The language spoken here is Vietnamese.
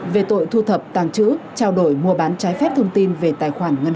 về tội thu thập tàng trữ trao đổi mua bán trái phép thông tin về tài khoản ngân hàng